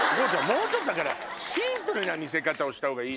もうちょっとシンプルな見せ方をした方がいい。